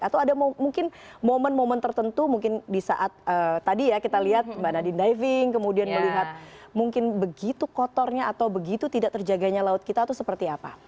atau ada mungkin momen momen tertentu mungkin di saat tadi ya kita lihat mbak nadine diving kemudian melihat mungkin begitu kotornya atau begitu tidak terjaganya laut kita itu seperti apa